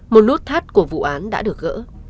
một nút thắt của vụ án đã được gỡ